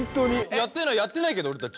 やってないやってないけど俺たち。